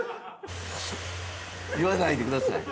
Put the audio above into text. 言わないでください。